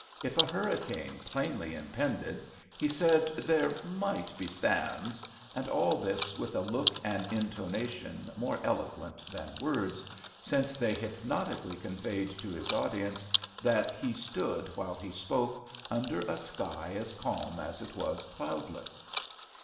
If a hurricane plainly impended, he said there *' might be starms," and all this with a look and in tonation more eloquent than words, since they hypnotically conveyed to his audience that 13 HAMPSHIRE VIGNETTES he stood while he spoke under a sky as calm as it was cloudless.